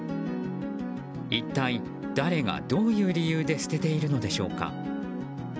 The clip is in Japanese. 一体誰がどういう理由で捨てているのでしょうか。